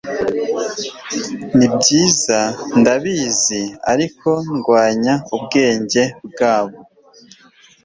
nibyiza, ndabizi, ariko ndwanya ubwenge bwarwo